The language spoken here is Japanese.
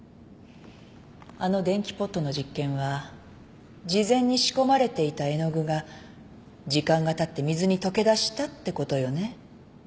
あの電気ポットの実験は事前に仕込まれていた絵の具が時間がたって水に溶けだしたってことよね？